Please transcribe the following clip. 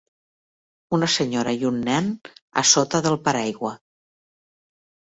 Una senyora i un nen a sota del paraigua.